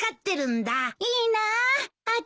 いいなあ。